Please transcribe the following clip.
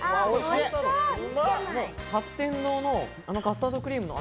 八天堂のカスタードクリームの味